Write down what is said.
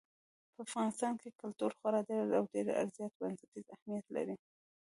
په افغانستان کې کلتور خورا ډېر او ډېر زیات بنسټیز اهمیت لري.